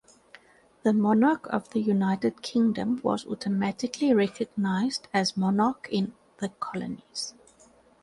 The monarch of the United Kingdom was automatically recognised as monarch in the colonies.